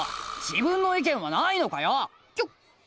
自分の意見はないのかよ！